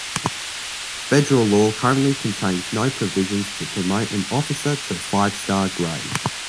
Federal law currently contains no provisions to promote an officer to five-star grade.